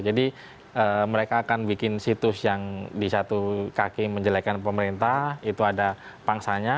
jadi mereka akan bikin situs yang di satu kaki menjelekan pemerintah itu ada pangsanya